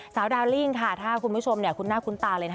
สาวดาวลิ่งค่ะถ้าคุณผู้ชมคุ้นหน้าคุ้นตาเลยนะ